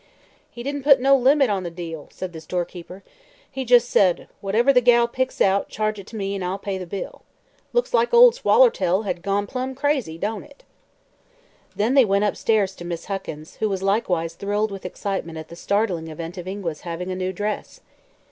"He didn't put no limit on the deal," said the storekeeper. "He jus' said: 'Whatever the gal picks out, charge it to me an' I'll pay the bill.' Looks like Ol' Swallertail hed gone plumb crazy, don't it?" Then they went upstairs to Miss Huckins, who was likewise thrilled with excitement at the startling event of Ingua's having a new dress.